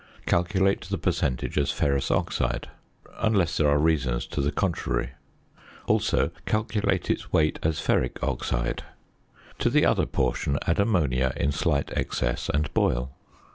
Calculate the percentage as ferrous oxide, unless there are reasons to the contrary, also calculate its weight as ferric oxide. To the other portion add ammonia in slight excess, and boil.